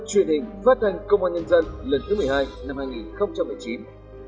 công an nhân dân liên hoan truyền hình phát hành công an nhân dân lần thứ một mươi hai năm hai nghìn một mươi chín